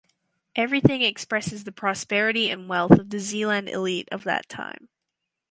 Everything expresses the prosperity and wealth of the Zeeland elite of that time.